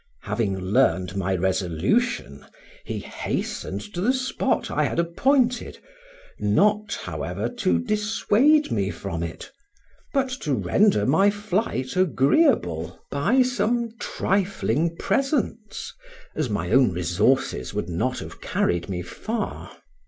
Having learned my resolution, he hastened to the spot I had appointed, not, however, to dissuade me from it, but to render my flight agreeable, by some trifling presents, as my own resources would not have carried me far.